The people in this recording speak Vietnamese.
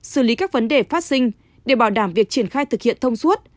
xử lý các vấn đề phát sinh để bảo đảm việc triển khai thực hiện thông suốt